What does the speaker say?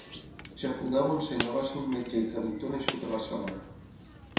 Jafudà Bonsenyor va ser un metge i traductor nascut a Barcelona.